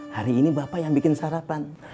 hari ini bapak yang bikin sarapan